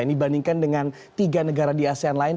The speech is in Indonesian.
dibandingkan dengan tiga negara di asean lain